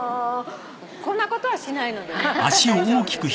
こんなことはしないので大丈夫。